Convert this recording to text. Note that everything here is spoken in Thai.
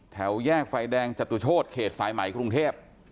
แถวแยกไฟแดงจตุโชธเขตสายไหมกรุงเทพ